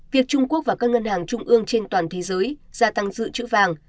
việc trung quốc và các ngân hàng trung ương trên toàn thế giới gia tăng dự trữ vàng